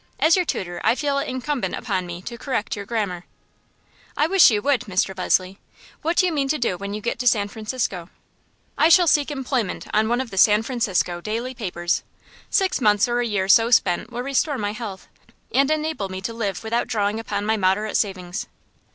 As your tutor I feel it incumbent upon me to correct your grammar." "I wish you would, Mr. Leslie. What do you mean to do when you get to San Francisco?" "I shall seek employment on one of the San Farncisco daily papers. Six months or a year so spent will restore my health, and enable me to live without drawing upon my moderate savings."